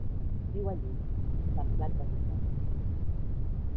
Viu allí contemplat de tothom.